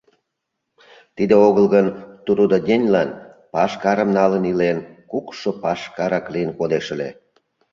Тиде огыл гын, трудоденьлан пашкарым налын илен, кукшо пашкарак лийын кодеш ыле.